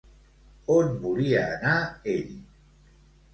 On volia anar, ell?